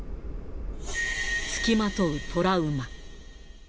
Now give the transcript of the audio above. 付きまとうトラウマ。